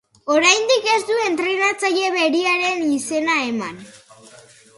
Oraindik ez du entrenatzaile beriaren izena eman.